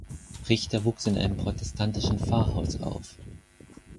Richter wuchs in einem protestantischen Pfarrhaus auf.